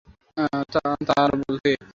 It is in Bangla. তা আর বলতে।